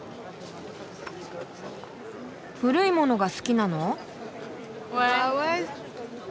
古いものが好きなの？